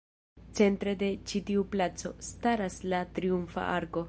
Centre de ĉi tiu placo, staras la Triumfa Arko.